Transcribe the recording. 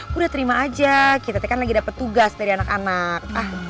udah terima aja kita kan lagi dapat tugas dari anak anak